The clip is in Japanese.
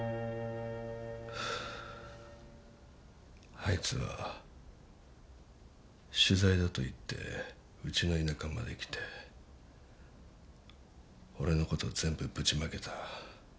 あいつは取材だといってうちの田舎まで来て俺の事を全部ぶちまけた。